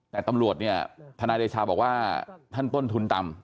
แต่ตำรวจเนี่ยทนายเดชาบอกว่าท่านต้นทุนต่ำ